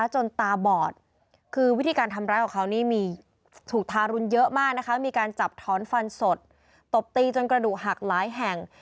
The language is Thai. จนกระดูกหักหลายแห่ง